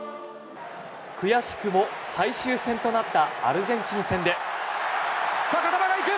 悔しくも最終戦となったアルゼンチン戦で。